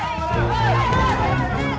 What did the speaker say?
tepuk tangan tepuk tangan